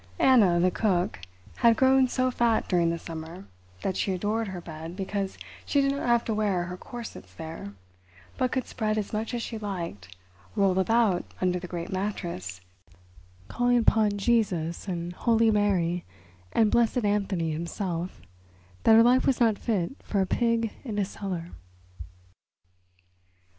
Anna, the cook, had grown so fat during the summer that she adored her bed because she did not have to wear her corsets there, but could spread as much as she liked, roll about under the great mattress, calling upon Jesus and Holy Mary and Blessed Anthony himself that her life was not fit for a pig in a cellar.